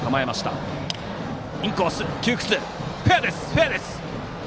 フェアです。